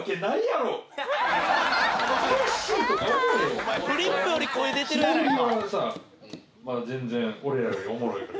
「お前フリップより声出てるやないか」